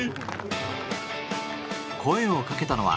声をかけたのは。